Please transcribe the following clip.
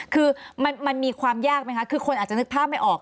คือมันมีความยากไหมคะคือคนอาจจะนึกภาพไม่ออก